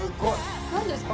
何ですか？